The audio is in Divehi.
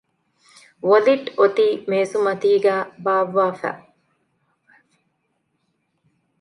ވޮލިޓް އޮތީ މޭޒުމަތީގައި ބާއްވައިފަ